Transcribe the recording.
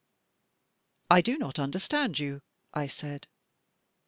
"I do not understand you," I said.